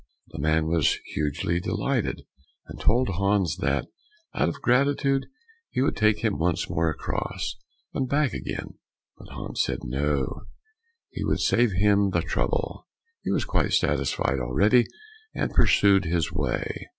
The man was hugely delighted, and told Hans that out of gratitude he would take him once more across, and back again. But Hans said no, he would save him the trouble, he was quite satisfied already, and pursued his way.